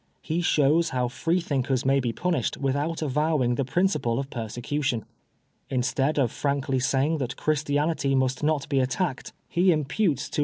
He shows how Free thinkers may be punished without avowing the principle of persecution. Instead of frankly saying that Christianity must not be attacked, he imputes to PREFACE.